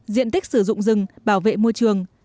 diện tích sử dụng rừng bảo vệ môi trường